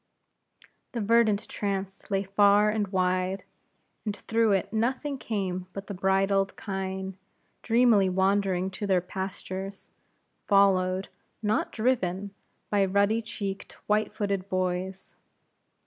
The verdant trance lay far and wide; and through it nothing came but the brindled kine, dreamily wandering to their pastures, followed, not driven, by ruddy cheeked, white footed boys.